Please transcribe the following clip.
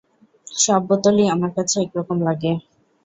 সব বোতলই আমার কাছে একরকম লাগে।